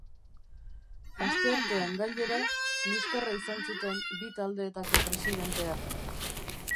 Asteartean, gainera, liskarra izan zuten bi taldeetako presidenteak.